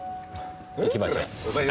行きましょう。